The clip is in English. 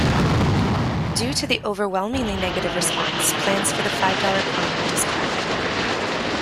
Due to the overwhelmingly negative response, plans for the five-dollar coin were discarded.